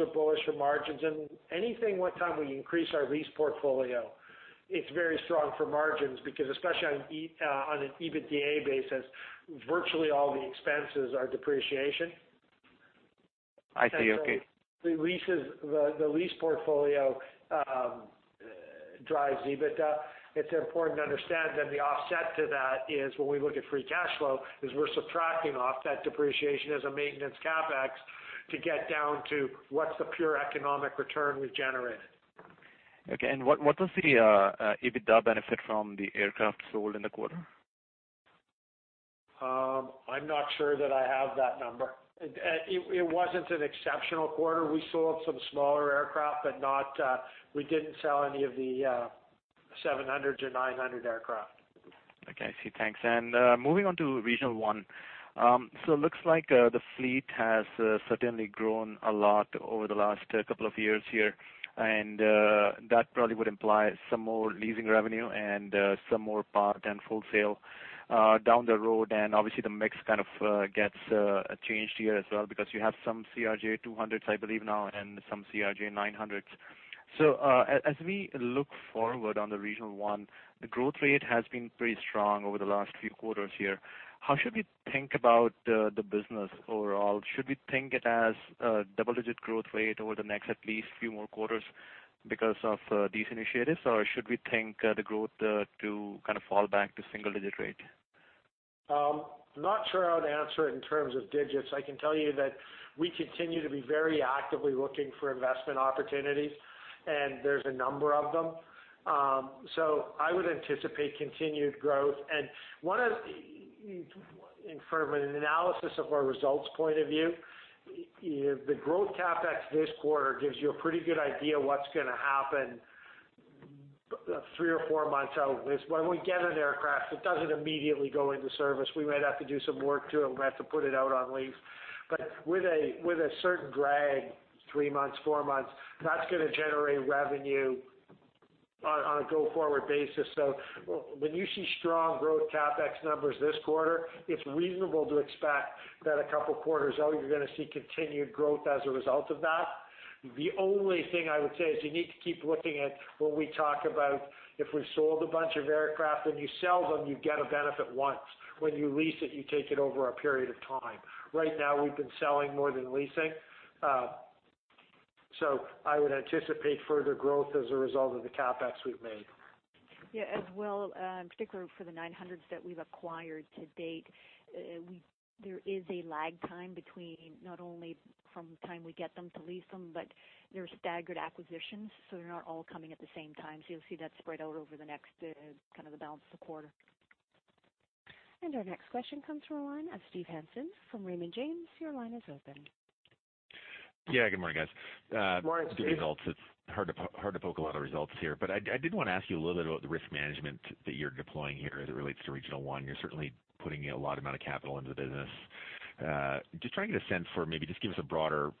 are bullish for margins, and anything, what time we increase our lease portfolio, it's very strong for margins because especially on an EBITDA basis, virtually all the expenses are depreciation. I see. Okay. The lease portfolio drives EBITDA. It's important to understand that the offset to that is when we look at free cash flow, is we're subtracting off that depreciation as a maintenance CapEx to get down to what's the pure economic return we've generated. Okay. What was the EBITDA benefit from the aircraft sold in the quarter? I'm not sure that I have that number. It wasn't an exceptional quarter. We sold some smaller aircraft, but we didn't sell any of the 700-900 aircraft. Okay, I see. Thanks. Moving on to Regional One. Looks like the fleet has certainly grown a lot over the last couple of years here, and that probably would imply some more leasing revenue and some more part and full sale down the road. Obviously the mix kind of gets changed here as well because you have some CRJ 200s, I believe now, and some CRJ 900s. As we look forward on the Regional One, the growth rate has been pretty strong over the last few quarters here. How should we think about the business overall? Should we think it as a double-digit growth rate over the next at least few more quarters because of these initiatives? Or should we think the growth to kind of fall back to single-digit rate? I'm not sure how to answer it in terms of digits. I can tell you that we continue to be very actively looking for investment opportunities, and there's a number of them. I would anticipate continued growth. From an analysis of our results point of view, the growth CapEx this quarter gives you a pretty good idea of what's going to happen three or four months out. When we get an aircraft, it doesn't immediately go into service. We might have to do some work to it, and we have to put it out on lease. With a certain drag, three months, four months, that's going to generate revenue on a go-forward basis. When you see strong growth CapEx numbers this quarter, it's reasonable to expect that a couple of quarters out, you're going to see continued growth as a result of that. The only thing I would say is you need to keep looking at when we talk about, if we've sold a bunch of aircraft. When you sell them, you get a benefit once. When you lease it, you take it over a period of time. Right now, we've been selling more than leasing. I would anticipate further growth as a result of the CapEx we've made. Yeah, as well, particularly for the 900s that we've acquired to date, there is a lag time between not only from the time we get them to lease them, but they're staggered acquisitions, they're not all coming at the same time. You'll see that spread out over the next balance of the quarter. Our next question comes from the line of Steve Hansen from Raymond James. Your line is open. Yeah, good morning, guys. Morning, Steve. Good results. It's hard to poke a lot of results here. I did want to ask you a little bit about the risk management that you're deploying here as it relates to Regional One. You're certainly putting a lot amount of capital into the business. Just trying to get a sense for, maybe just give us a broader perspective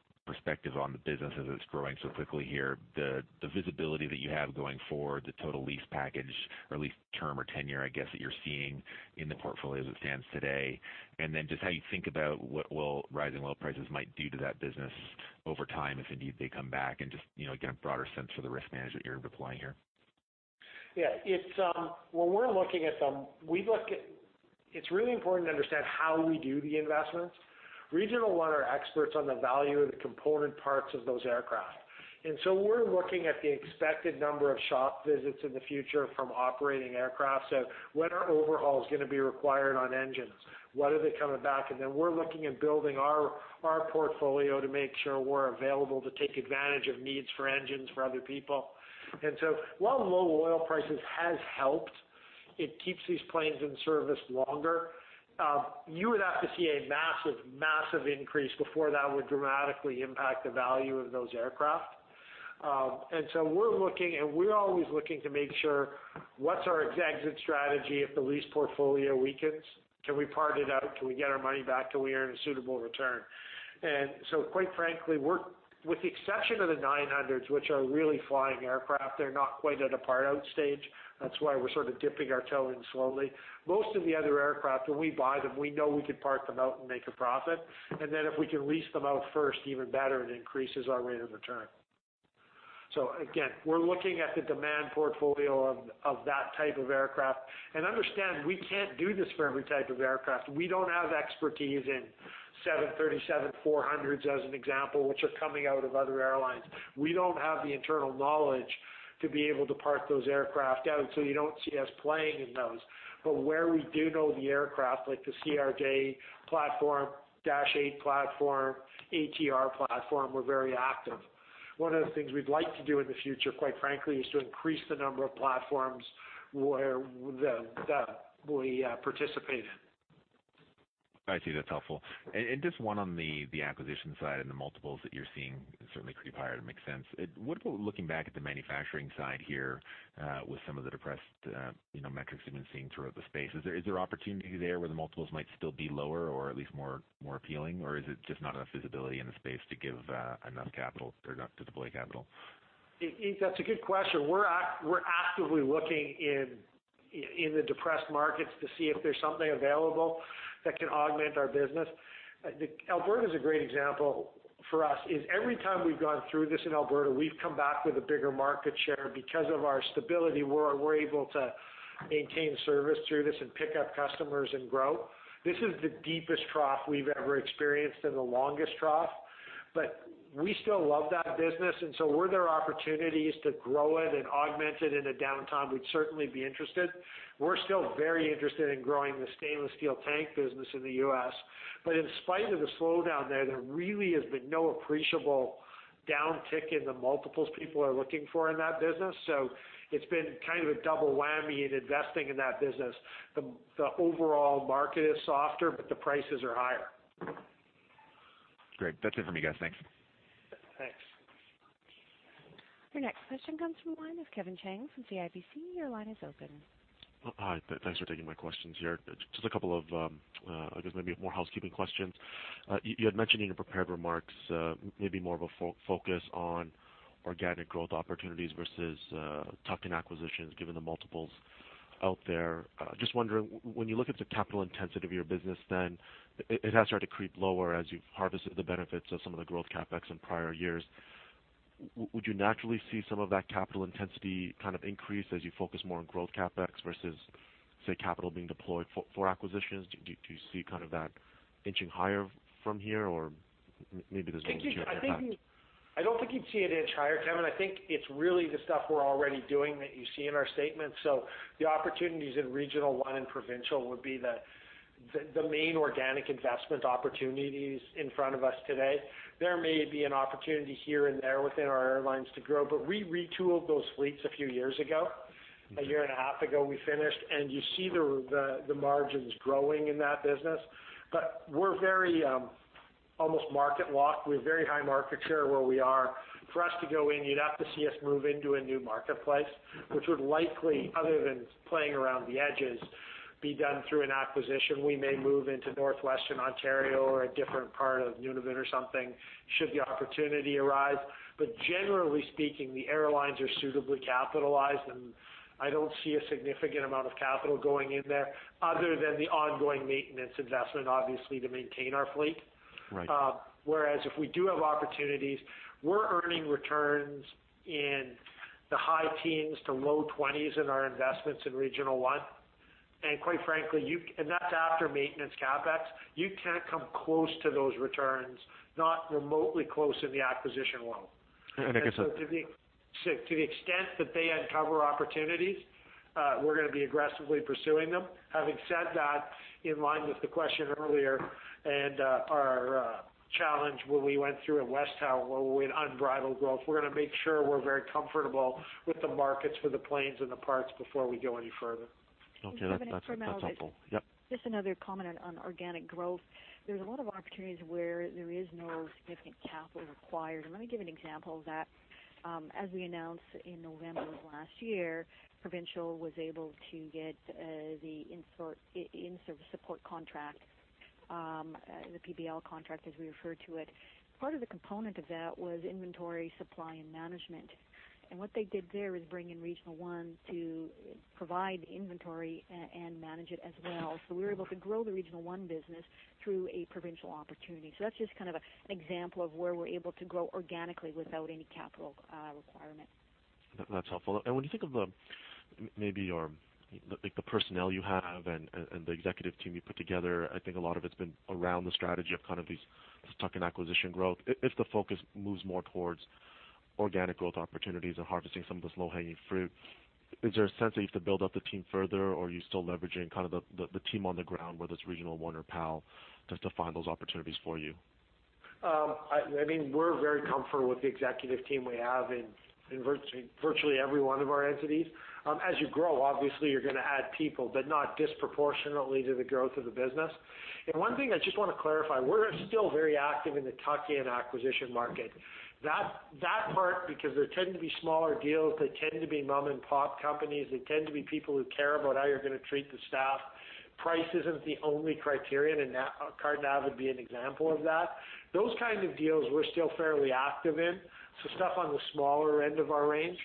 on the business as it's growing so quickly here, the visibility that you have going forward, the total lease package or lease term or tenure, I guess, that you're seeing in the portfolio as it stands today. Just how you think about what will rising oil prices might do to that business over time, if indeed they come back, and just get a broader sense for the risk management you're deploying here. Yeah. It's really important to understand how we do the investments. Regional One are experts on the value of the component parts of those aircraft. We're looking at the expected number of shop visits in the future from operating aircraft. When are overhauls going to be required on engines? When are they coming back? We're looking at building our portfolio to make sure we're available to take advantage of needs for engines for other people. While low oil prices has helped, it keeps these planes in service longer. You would have to see a massive increase before that would dramatically impact the value of those aircraft. We're always looking to make sure, what's our exit strategy if the lease portfolio weakens? Can we part it out? Can we get our money back? Can we earn a suitable return? Quite frankly, with the exception of the 900s, which are really flying aircraft, they're not quite at a part-out stage. That's why we're sort of dipping our toe in slowly. Most of the other aircraft, when we buy them, we know we could part them out and make a profit. If we can lease them out first, even better, it increases our rate of return. Again, we're looking at the demand portfolio of that type of aircraft. Understand, we can't do this for every type of aircraft. We don't have expertise in 737-400s, as an example, which are coming out of other airlines. We don't have the internal knowledge to be able to part those aircraft out, so you don't see us playing in those. But where we do know the aircraft, like the CRJ platform, Dash 8 platform, ATR platform, we're very active. One of the things we'd like to do in the future, quite frankly, is to increase the number of platforms that we participate in. I see that's helpful. Just one on the acquisition side and the multiples that you're seeing certainly creep higher to make sense. What about looking back at the manufacturing side here with some of the depressed metrics you've been seeing throughout the space? Is there opportunity there where the multiples might still be lower or at least more appealing, or is it just not enough visibility in the space to give enough capital or enough to deploy capital? That's a good question. We're actively looking in the depressed markets to see if there's something available that can augment our business. Alberta is a great example for us, is every time we've gone through this in Alberta, we've come back with a bigger market share. Because of our stability, we're able to maintain service through this and pick up customers and grow. This is the deepest trough we've ever experienced and the longest trough, we still love that business, were there opportunities to grow it and augment it in a downtime, we'd certainly be interested. We're still very interested in growing the stainless steel tank business in the U.S. In spite of the slowdown there really has been no appreciable downtick in the multiples people are looking for in that business. It's been kind of a double whammy in investing in that business. The overall market is softer, the prices are higher. Great. That's it from me, guys. Thanks. Thanks. Your next question comes from the line of Kevin Chiang from CIBC. Your line is open. Hi, thanks for taking my questions here. Just a couple of, I guess, maybe more housekeeping questions. You had mentioned in your prepared remarks, maybe more of a focus on organic growth opportunities versus tuck-in acquisitions, given the multiples out there. Just wondering, when you look at the capital intensity of your business, it has started to creep lower as you've harvested the benefits of some of the growth CapEx in prior years. Would you naturally see some of that capital intensity increase as you focus more on growth CapEx versus, say, capital being deployed for acquisitions? Do you see that inching higher from here or I don't think you'd see an inch higher, Kevin. I think it's really the stuff we're already doing that you see in our statement. The opportunities in Regional One and Provincial would be the main organic investment opportunities in front of us today. There may be an opportunity here and there within our airlines to grow, but we retooled those fleets a few years ago. A year and a half ago, we finished, and you see the margins growing in that business. We're very almost market locked. We have very high market share where we are. For us to go in, you'd have to see us move into a new marketplace, which would likely, other than playing around the edges, be done through an acquisition. We may move into Northwestern Ontario or a different part of Nunavut or something should the opportunity arise. Generally speaking, the airlines are suitably capitalized, and I don't see a significant amount of capital going in there other than the ongoing maintenance investment, obviously, to maintain our fleet. Right. If we do have opportunities, we're earning returns in the high teens to low 20s in our investments in Regional One, and that's after maintenance CapEx. You can't come close to those returns, not remotely close in the acquisition world. [inaudible] To the extent that they uncover opportunities, we're going to be aggressively pursuing them. Having said that, in line with the question earlier and our challenge when we went through at WesTower Communications, where we had unbridled growth. We're going to make sure we're very comfortable with the markets for the planes and the parts before we go any further. Okay. That's helpful. Yep. Just another comment on organic growth. There's a lot of opportunities where there is no significant capital required, and let me give an example of that. As we announced in November of last year, Provincial was able to get the in-service support contract, the PBL contract, as we refer to it. Part of the component of that was inventory supply and management. What they did there is bring in Regional One to provide inventory and manage it as well. We were able to grow the Regional One business through a Provincial opportunity. That's just kind of an example of where we're able to grow organically without any capital requirement. That's helpful. When you think of maybe the personnel you have and the executive team you put together, I think a lot of it's been around the strategy of these tuck-in acquisition growth. If the focus moves more towards organic growth opportunities and harvesting some of this low-hanging fruit, is there a sense that you have to build up the team further, or are you still leveraging the team on the ground, whether it's Regional One or PAL, just to find those opportunities for you? We're very comfortable with the executive team we have in virtually every one of our entities. As you grow, obviously, you're going to add people, but not disproportionately to the growth of the business. One thing I just want to clarify, we're still very active in the tuck-in acquisition market. That part, because they tend to be smaller deals, they tend to be mom-and-pop companies. They tend to be people who care about how you're going to treat the staff. Price isn't the only criterion, and CarteNav would be an example of that. Those kinds of deals we're still fairly active in. Stuff on the smaller end of our range.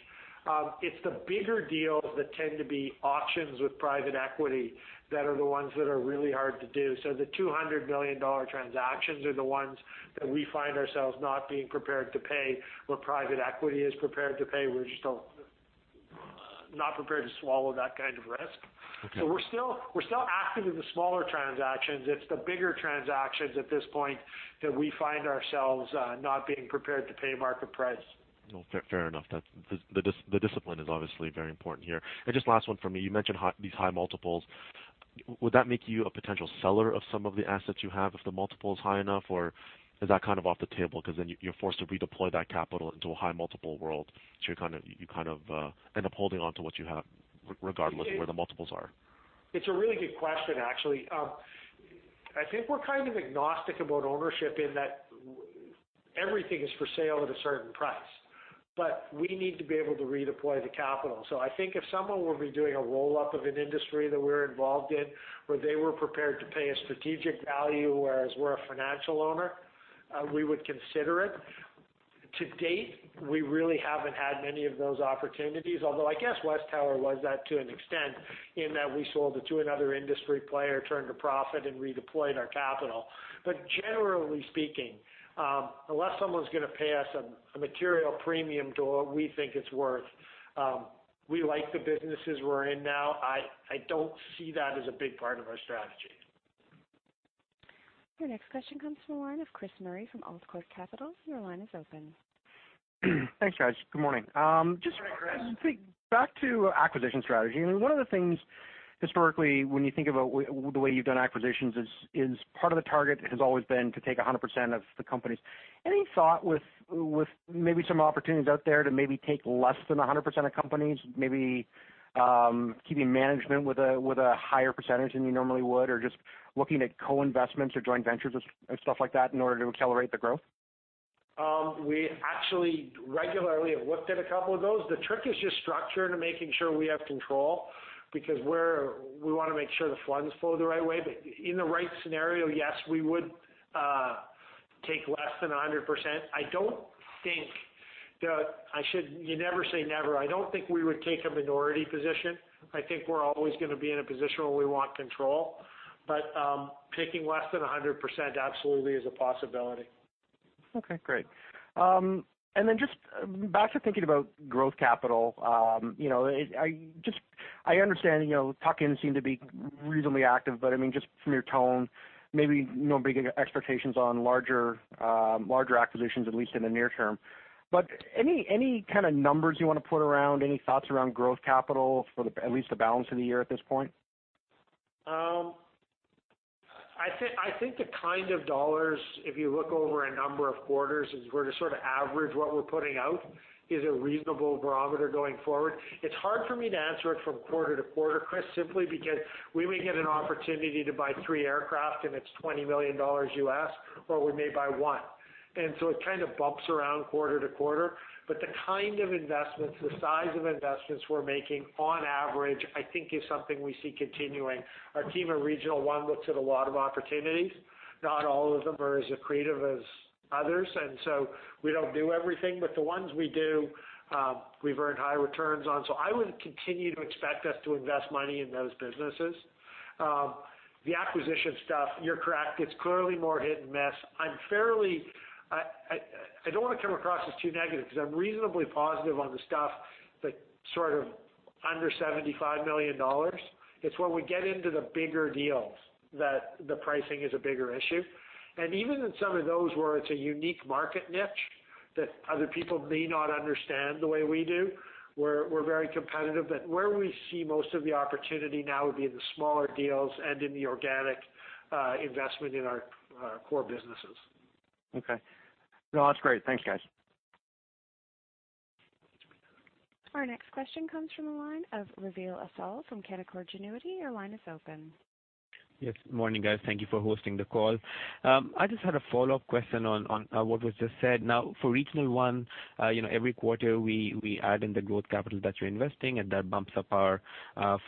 It's the bigger deals that tend to be auctions with private equity that are the ones that are really hard to do. The 200 million dollar transactions are the ones that we find ourselves not being prepared to pay. Where private equity is prepared to pay, we're just not prepared to swallow that kind of risk. Okay. We're still active in the smaller transactions. It's the bigger transactions at this point that we find ourselves not being prepared to pay market price. Fair enough. The discipline is obviously very important here. Just last one for me. You mentioned these high multiples. Would that make you a potential seller of some of the assets you have if the multiple is high enough? Is that off the table because then you're forced to redeploy that capital into a high multiple world, so you end up holding onto what you have regardless of where the multiples are? It's a really good question, actually. I think we're kind of agnostic about ownership in that everything is for sale at a certain price. We need to be able to redeploy the capital. I think if someone were redoing a roll-up of an industry that we're involved in, where they were prepared to pay a strategic value, whereas we're a financial owner, we would consider it. To date, we really haven't had many of those opportunities, although I guess WesTower Communications was that to an extent, in that we sold it to another industry player, turned a profit, and redeployed our capital. Generally speaking, unless someone's going to pay us a material premium to what we think it's worth, we like the businesses we're in now. I don't see that as a big part of our strategy. Your next question comes from the line of Chris Murray from AltaCorp Capital. Your line is open. Thanks, guys. Good morning. Good morning, Chris. Just back to acquisition strategy. One of the things historically, when you think about the way you've done acquisitions is part of the target has always been to take 100% of the companies. Any thought with maybe some opportunities out there to maybe take less than 100% of companies, maybe keeping management with a higher percentage than you normally would, or just looking at co-investments or joint ventures and stuff like that in order to accelerate the growth? We actually regularly have looked at a couple of those. The trick is just structuring and making sure we have control because we want to make sure the funds flow the right way. In the right scenario, yes, we would take less than 100%. You never say never. I don't think we would take a minority position. I think we're always going to be in a position where we want control. Taking less than 100% absolutely is a possibility. Okay, great. Just back to thinking about growth capital. Just I understand tuck-ins seem to be reasonably active. Just from your tone, maybe no big expectations on larger acquisitions, at least in the near term. Any kind of numbers you want to put around? Any thoughts around growth capital for at least the balance of the year at this point? I think the kind of dollars, if you look over a number of quarters, is we're just sort of average what we're putting out is a reasonable barometer going forward. It's hard for me to answer it from quarter to quarter, Chris, simply because we may get an opportunity to buy three aircraft and it's $20 million US, or we may buy one. It kind of bumps around quarter to quarter. The kind of investments, the size of investments we're making on average, I think is something we see continuing. Our team at Regional One looks at a lot of opportunities. Not all of them are as accretive as others, and so we don't do everything. The ones we do, we've earned high returns on. I would continue to expect us to invest money in those businesses. The acquisition stuff, you're correct. It's clearly more hit-and-miss. I don't want to come across as too negative because I'm reasonably positive on the stuff that's sort of under 75 million dollars. It's when we get into the bigger deals that the pricing is a bigger issue. Even in some of those where it's a unique market niche that other people may not understand the way we do, we're very competitive. Where we see most of the opportunity now would be in the smaller deals and in the organic investment in our core businesses. Okay. No, that's great. Thanks, guys. Our next question comes from the line of Raveel Afzaal from Canaccord Genuity. Your line is open. Yes. Morning, guys. Thank you for hosting the call. I just had a follow-up question on what was just said. For Regional One, every quarter we add in the growth capital that you're investing, that bumps up our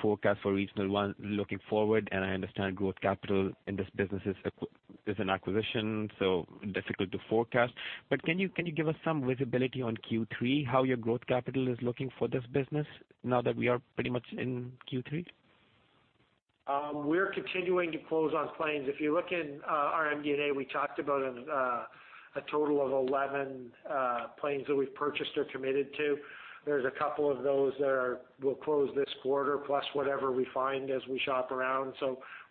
forecast for Regional One looking forward. I understand growth capital in this business is an acquisition, so difficult to forecast. Can you give us some visibility on Q3, how your growth capital is looking for this business now that we are pretty much in Q3? We're continuing to close on planes. If you look in our MD&A, we talked about a total of 11 planes that we've purchased or committed to. There's a couple of those that will close this quarter, plus whatever we find as we shop around.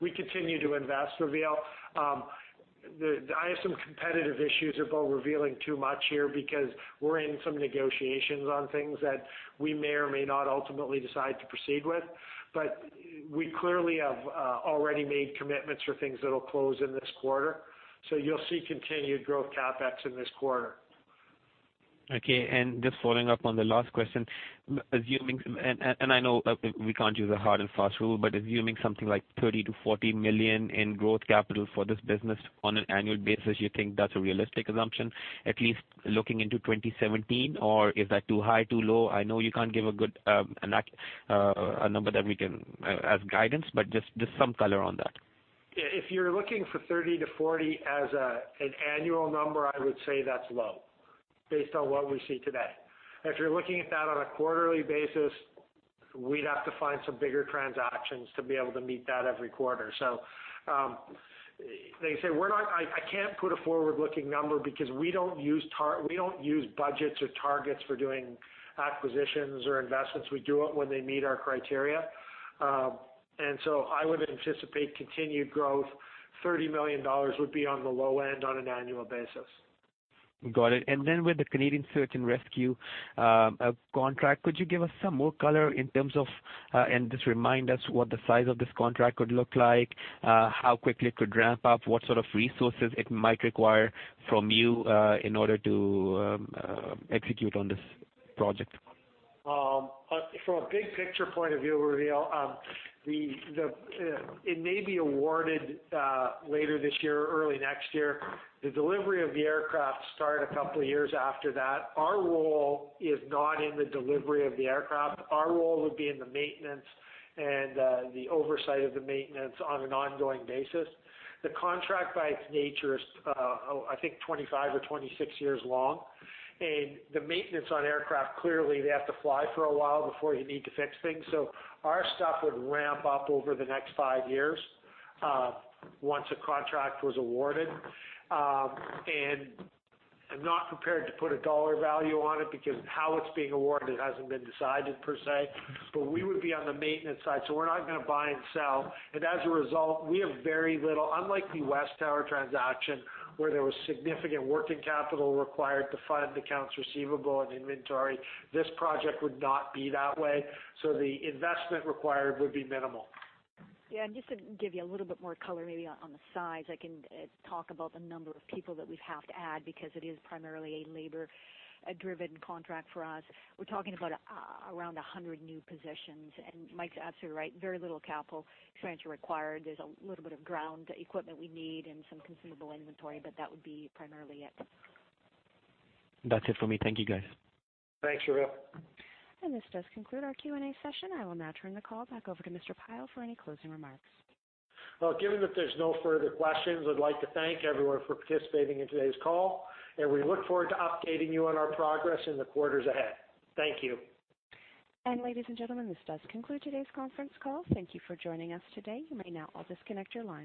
We continue to invest, Raveel. I have some competitive issues about revealing too much here because we're in some negotiations on things that we may or may not ultimately decide to proceed with. We clearly have already made commitments for things that'll close in this quarter. You'll see continued growth CapEx in this quarter. Okay. Just following up on the last question, I know we can't use a hard and fast rule, assuming something like 30 million to 40 million in growth capital for this business on an annual basis, you think that's a realistic assumption, at least looking into 2017? Is that too high, too low? I know you can't give a good number as guidance, just some color on that. If you're looking for 30 to 40 as an annual number, I would say that's low based on what we see today. If you're looking at that on a quarterly basis, we'd have to find some bigger transactions to be able to meet that every quarter. I can't put a forward-looking number because we don't use budgets or targets for doing acquisitions or investments. We do it when they meet our criteria. I would anticipate continued growth. 30 million dollars would be on the low end on an annual basis. Got it. With the Canadian Search and Rescue contract, could you give us some more color in terms of, just remind us what the size of this contract would look like, how quickly it could ramp up, what sort of resources it might require from you in order to execute on this project? From a big picture point of view, Raveel, it may be awarded later this year or early next year. The delivery of the aircraft start a couple of years after that. Our role is not in the delivery of the aircraft. Our role would be in the maintenance and the oversight of the maintenance on an ongoing basis. The contract by its nature is, I think 25 or 26 years long, the maintenance on aircraft, clearly they have to fly for a while before you need to fix things. Our stuff would ramp up over the next five years, once a contract was awarded. I'm not prepared to put a dollar value on it because how it's being awarded hasn't been decided per se. We would be on the maintenance side, so we're not going to buy and sell. As a result, we have very little, unlike the WesTower Communications transaction where there was significant working capital required to fund accounts receivable and inventory, this project would not be that way. The investment required would be minimal. Just to give you a little bit more color maybe on the size, I can talk about the number of people that we'd have to add because it is primarily a labor-driven contract for us. We're talking about around 100 new positions. Mike's absolutely right. Very little capital expenditure required. There's a little bit of ground equipment we need and some consumable inventory, that would be primarily it. That's it for me. Thank you, guys. Thanks, Raveel. This does conclude our Q&A session. I will now turn the call back over to Mr. Pyle for any closing remarks. Well, given that there's no further questions, I'd like to thank everyone for participating in today's call, and we look forward to updating you on our progress in the quarters ahead. Thank you. Ladies and gentlemen, this does conclude today's conference call. Thank you for joining us today. You may now all disconnect your lines.